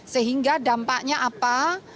sehingga dampaknya apa